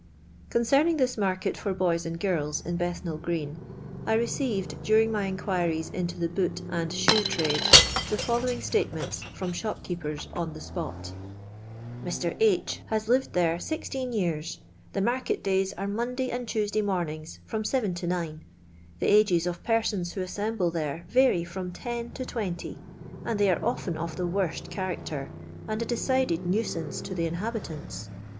Oonceming this market for boyt and girls, in Bethnal green, I received, daring mj inquiries into the boot and shoe trade, the following state ments from shopkeepers on the spot :— "Mr. H has lived there sixteen years. The market days are Honday and Tuesday morn ings, from seven to nine. The ages of persons who assemble there vary from ten to twenty, and they are often of the worst character, and a de cideded nuisance to the inhabitants.